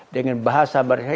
dengan bahasa bahasa faham